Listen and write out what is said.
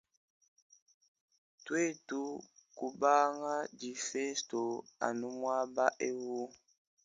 Twetu kubanga difesto anu mwaba awu.